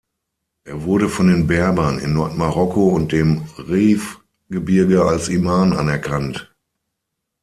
Er wurde von den Berbern in Nordmarokko und dem Rif-Gebirge als Imam anerkannt.